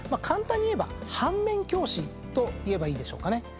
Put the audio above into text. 簡単に言えば反面教師といえばいいでしょうかね。